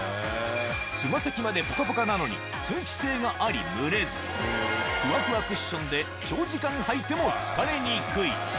つま先までぽかぽかなのに通気性があり蒸れず、フワフワクッションで長時間履いても疲れにくい。